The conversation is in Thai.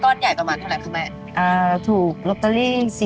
ก้อนใหญ่ก็มากลมได้เขาแม่เอ่อถูกลมสี่สิบ